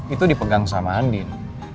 itu dipegang sama andien